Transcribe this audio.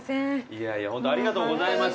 いやいやホントありがとうございます。